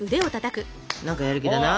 何かやる気だな？